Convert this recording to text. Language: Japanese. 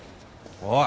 おい！